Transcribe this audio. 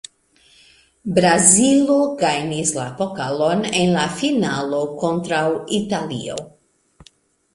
Brazilo gajnis la pokalon en la finalo kontraŭ Italio.